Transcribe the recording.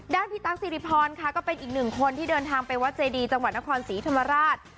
พี่ตั๊กสิริพรค่ะก็เป็นอีกหนึ่งคนที่เดินทางไปวัดเจดีจังหวัดนครศรีธรรมราช